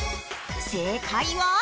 正解は。